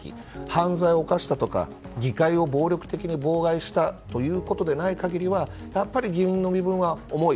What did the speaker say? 犯罪を犯したとか議会を暴力的に妨害したということでない限りはやっぱり議員の身分は重い。